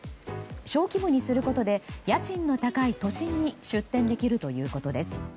小規模にすることで家賃の高い都心に出店できるということです。